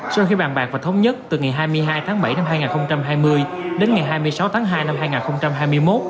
sau khi bàn bạc và thống nhất từ ngày hai mươi hai tháng bảy năm hai nghìn hai mươi đến ngày hai mươi sáu tháng hai năm hai nghìn hai mươi một